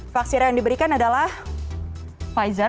vaksin yang diberikan adalah pfizer